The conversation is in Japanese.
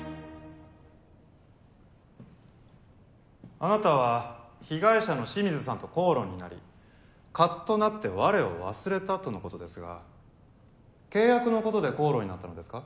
あなたは被害者の清水さんと口論になりカッとなって我を忘れたとのことですが契約のことで口論になったのですか？